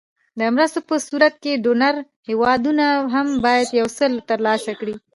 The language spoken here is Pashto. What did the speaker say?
د مرستو په صورت کې ډونر هېوادونه هم باید یو څه تر لاسه کړي.